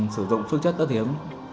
sử dụng phước chất rất hiếm